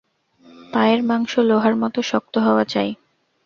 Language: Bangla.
পায়ের মাংস লোহার মত শক্ত হওয়া চাই।